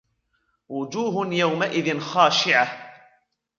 وجوه يومئذ خاشعة